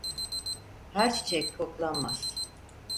Her çiçek koklanmaz.